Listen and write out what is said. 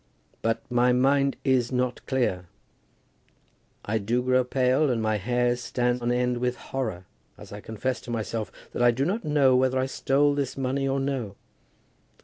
But my mind is not clear. I do grow pale, and my hair stands on end with horror, as I confess to myself that I do not know whether I stole this money or no!